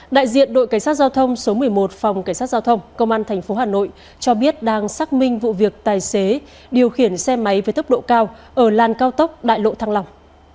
đại diện đội cảnh sát giao thông số một mươi một phòng cảnh sát giao thông công an tp hà nội cho biết đang xác minh vụ việc tài xế điều khiển xe máy với tốc độ cao ở làn cao tốc đại lộ thăng long